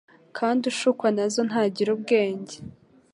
kandi ushukwa nazo ntagira ubwenge"